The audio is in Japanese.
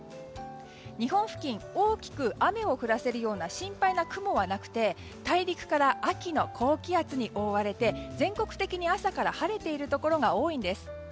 日本付近、大きく雨を降らせるような心配な雲はなくて大陸から秋の高気圧に覆われて全国的に朝から晴れているところが多いんです。